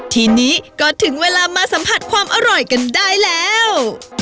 ทีนี้ก็ถึงเวลามาสัมผัสความอร่อยกันได้แล้ว